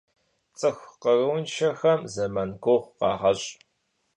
Цӏыху къарууншэхэм зэман гугъу къагъэщӏ.